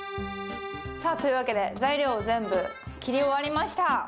さあというわけで材料全部切り終わりました。